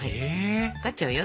分かっちゃうよ